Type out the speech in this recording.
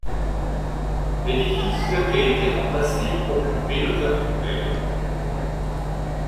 L'édifice qui a été remplacé occupait le chœur actuel.